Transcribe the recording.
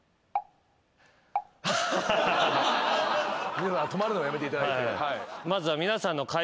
皆さん止まるのはやめていただいて。